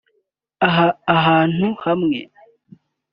ahantu hamwe